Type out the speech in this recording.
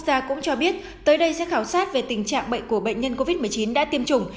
gia cũng cho biết tới đây sẽ khảo sát về tình trạng bệnh của bệnh nhân covid một mươi chín đã tiêm chủng